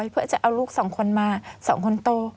เพื่อจะเอาลูกสองคนมา๒คนโต